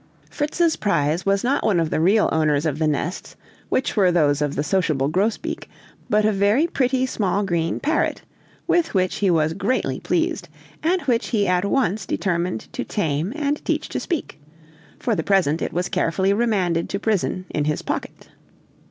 Fritz's prize was not one of the real owners of the nests, which were those of the sociable grosbeak, but a very pretty small green parrot, with which he was greatly pleased, and which he at once determined to tame and teach to speak; for the present it was carefully remanded to prison in his pocket.